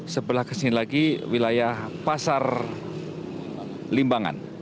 sebelah ke sini lagi wilayah pasar limbangan